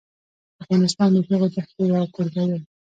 افغانستان د دغو دښتو یو کوربه دی.